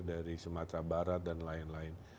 dari sumatera barat dan lain lain